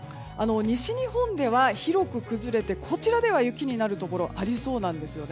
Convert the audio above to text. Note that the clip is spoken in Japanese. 西日本では広く崩れてこちらでは雪になるところありそうなんですよね。